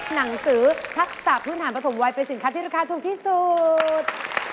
หนังสือทักษะพื้นฐานปฐมวัยเป็นสินค้าที่ราคาถูกที่สุด